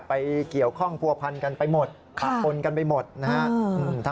ไปเกี่ยวข้องผัวพันกันไปหมดปะปนกันไปหมดนะครับ